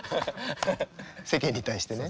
世間に対してね。